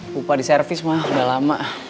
lupa di servis mah gak lama